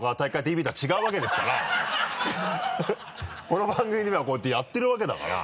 この番組ではこうやってやってるわけだから。